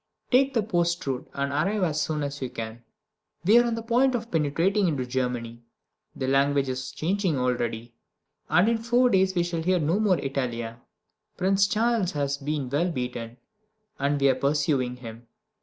Take the post route and arrive as soon as you can. We are on the point of penetrating into Germany. The language is changing already, and in four days we shall hear no more Italian. Prince Charles has been well beaten, and we are pursuing him.